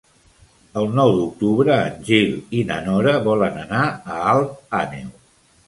El nou d'octubre en Gil i na Nora volen anar a Alt Àneu.